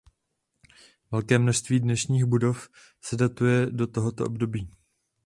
Velké množství dnešních budov se datuje do tohoto období.